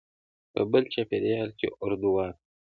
په بل چاپېریال کې اردو واک لري.